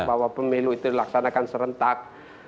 bahwa pemilu itu dilaksanakan serentak